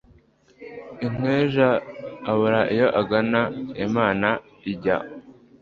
inteja abura iyo agana, imana ijya